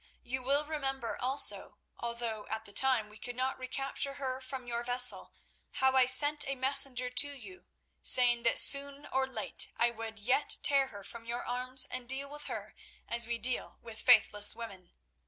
You will remember also, although at the time we could not recapture her from your vessel, how I sent a messenger to you, saying that soon or late I would yet tear her from your arms and deal with her as we deal with faithless women.